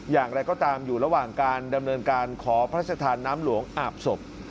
อย่างไรก็ตามอยู่ระหว่างการดำเนินการขอพระชธานน้ำหลวงอาบศพ